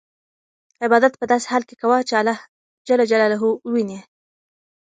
عبادت په داسې حال کې کوه چې الله وینې.